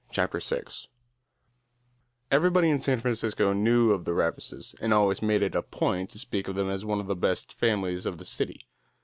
Chapter Six Everybody in San Francisco knew of the Ravises and always made it a point to speak of them as one of the best families of the city.